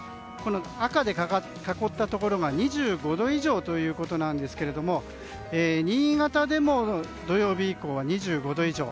赤で囲ったところが２５度以上ということですが新潟でも土曜日以降は２５度以上。